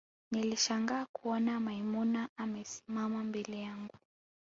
nilishangaa kuona maimuna amesimama mbele yangu